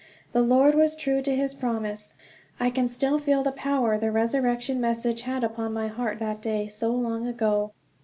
The Lord was true to his promise; I can still feel the power the resurrection messages had upon my heart that day so long ago.